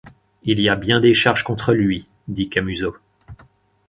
Il y a bien des charges contre lui, dit Camusot.